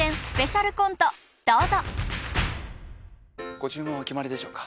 ご注文はお決まりでしょうか？